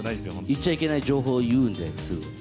言っちゃいけない情報を言うんで、すぐ。